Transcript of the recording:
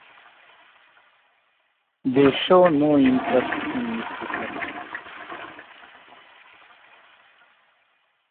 They show no interest in his diploma.